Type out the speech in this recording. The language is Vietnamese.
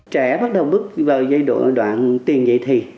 trẻ bắt đầu bước vào giai đoạn tiền dạy thì